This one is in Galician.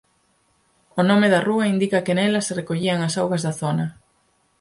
O nome da rúa indica que nela se recollían as augas da zona.